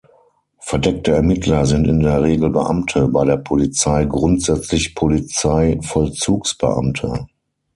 Verdeckte Ermittler sind in der Regel Beamte, bei der Polizei grundsätzlich Polizeivollzugsbeamte.